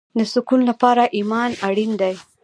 د سکون لپاره ایمان اړین دی